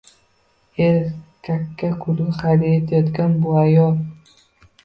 Erkakka kulgu hadya etayotgan bu ayol.